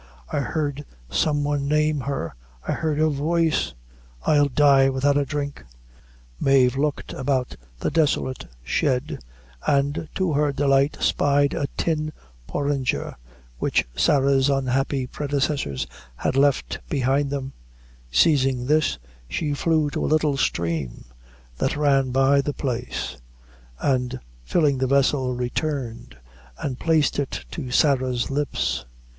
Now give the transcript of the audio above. I heard some one name her I heard her voice I'll die without a dhrink." Mave looked about the desolate shed, and to her delight spied a tin porringer, which Sarah's unhappy predecessors had left behind them; seizing this, she flew to a little stream that ran by the place, and filling the vessel, returned and placed it to Sarah's lips.